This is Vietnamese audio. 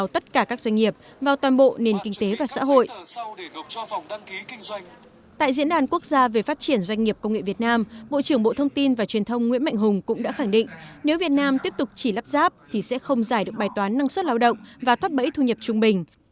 tại diễn đàn quốc gia về phát triển doanh nghiệp công nghệ việt nam bộ trưởng bộ thông tin và truyền thông nguyễn mạnh hùng cũng đã khẳng định nếu việt nam tiếp tục chỉ lắp ráp thì sẽ không giải được bài toán năng suất lao động và thoát bẫy thu nhập trung bình